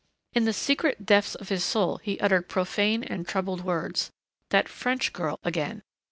In the secret depths of his soul he uttered profane and troubled words. That French girl, again....